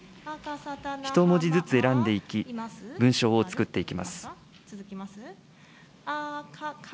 一文字ずつ選んでいき、文章をつくっていきます。